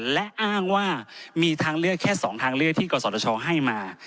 และอ้างว่ามีทางเลือกแค่๒ทางเลือกที่กศชให้มา